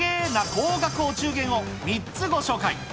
高額お中元を３つご紹介。